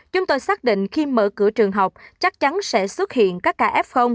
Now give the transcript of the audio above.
chúng tôi xác định khi mở cửa trường học chắc chắn sẽ xuất hiện các ca f